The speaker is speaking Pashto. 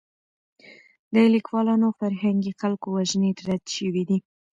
د لیکوالانو او فرهنګي خلکو وژنې رد شوې دي.